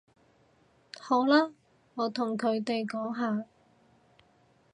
好啦，我同佢哋講吓